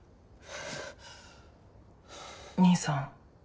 兄さん